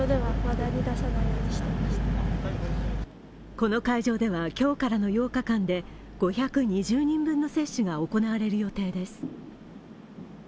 この会場では今日からの８日間で５２０人分の接種が行われる予定です。